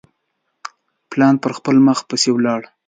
پلان پر خپل مخ پسي ولاړ.